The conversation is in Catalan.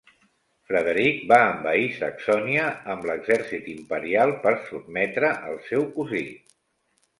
Frederic va envair Saxònia amb l'exèrcit imperial per sotmetre el seu cosí.